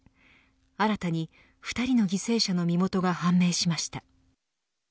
新たに２人の犠牲者の身元が判明しました。